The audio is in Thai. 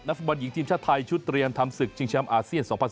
ฟุตบอลหญิงทีมชาติไทยชุดเตรียมทำศึกชิงแชมป์อาเซียน๒๐๑